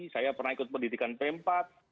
saya pernah ikut pendidikan pempat